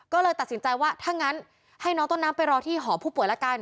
ก็เลยตัดสินใจว่าถ้างั้นให้น้องต้นน้ำไปรอที่หอผู้ป่วยละกัน